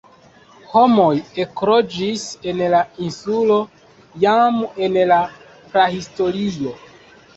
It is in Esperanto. Homoj ekloĝis en la insulo jam en la prahistorio.